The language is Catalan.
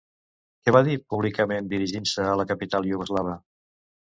Què va dir públicament dirigint-se a la capital iugoslava?